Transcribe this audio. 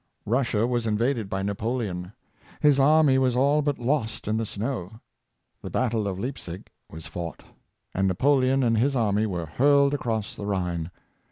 Russia was invaded by Napoleon. His army was all but lost in the snow. The battle of Leipsic was fought, and Napoleon and his army were hurled across the Rhine.